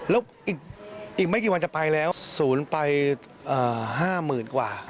แล้วอีกไม่กี่วันจะไปแล้วศูนย์ไป๕๐๐๐กว่า